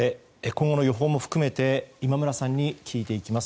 今後の予報も含めて今村さんに聞いていきます。